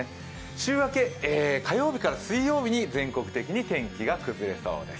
週明け、火曜日から水曜日に全国的に天気が崩れそうです。